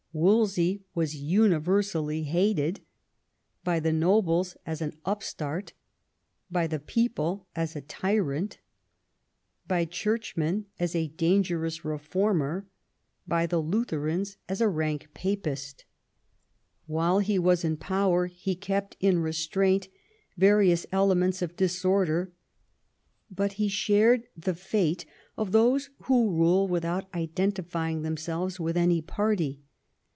Wolsey was universally hated ; by the nobles as an upstart, by the people as a tyrant, by Churchmen as a dangerous re former, by the Lutherans as a rank Papist While he was in power he kept in restraint various elements of disorder; but he shared the fate of those who rule without identifying themselves with any party.